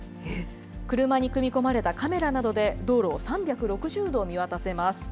車に組み込まれたカメラなどで道路を３６０度見渡せます。